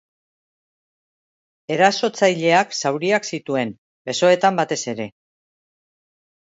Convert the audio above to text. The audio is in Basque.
Erasotzaileak zauriak zituen, besoetan batez ere.